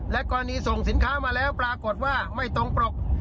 กรณีส่งสินค้ามาแล้วปรากฏว่าไม่ตรงปรก